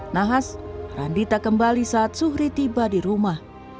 nahas randi tak kembali saat suhri tiba di rumah